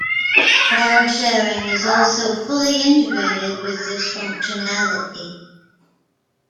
File sharing is also fully integrated with this functionality.